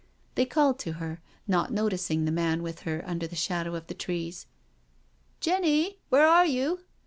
They called to her, not noticing the man with her under the shadow of the trees. " Jenny, where are you?